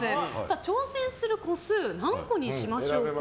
挑戦する個数何個にしましょうか。